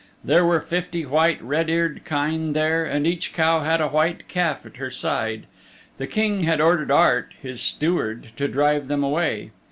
There were fifty white red eared kine there and each cow had a white calf at her side. The King had ordered Art, his Steward, to drive them away.